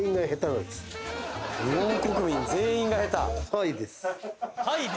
「はいです」